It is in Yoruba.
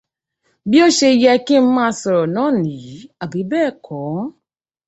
Bí o ṣe yẹ kí n máa sọ̀rọ̀ náà nìyí, àbí bẹ́ẹ̀ kọ́?